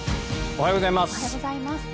おはようございます。